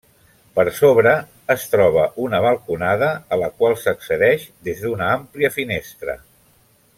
Per sobre, es troba una balconada a la qual s'accedeix des d'una àmplia finestra.